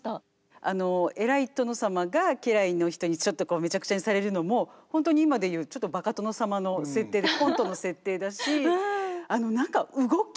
あの偉い殿様が家来の人にちょっとめちゃくちゃにされるのもホントに今で言うちょっとバカ殿様の設定でコントの設定だしあの何か動き？